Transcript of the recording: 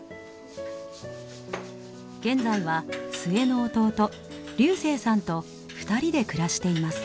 現在は末の弟隆生さんと２人で暮らしています。